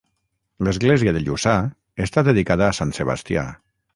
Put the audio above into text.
L'església de Lluçà està dedicada a sant Sebastià.